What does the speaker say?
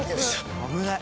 危ない。